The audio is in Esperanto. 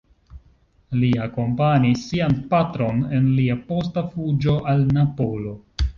Li akompanis sian patron en lia posta fuĝo al Napolo.